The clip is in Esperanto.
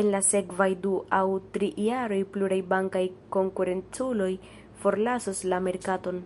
En la sekvaj du aŭ tri jaroj pluraj bankaj konkurenculoj forlasos la merkaton.